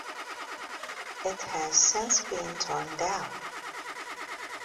It has since been torn down.